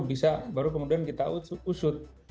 bisa baru kemudian kita usut